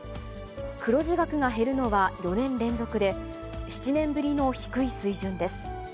黒字額が減るのは４年連続で、７年ぶりの低い水準です。